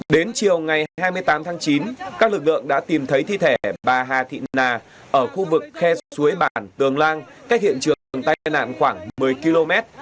đến chiều ngày hai mươi tám tháng chín các lực lượng đã tìm thấy thi thể bà hà thị nà ở khu vực khe suối bản tường lang cách hiện trường tai nạn khoảng một mươi km